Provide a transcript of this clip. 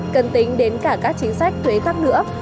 cần tính đến cả các chính sách thuế tắt nữa